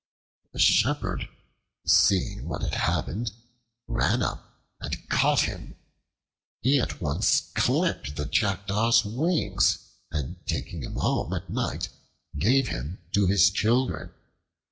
The shepherd, seeing what had happened, ran up and caught him. He at once clipped the Jackdaw's wings, and taking him home at night, gave him to his children.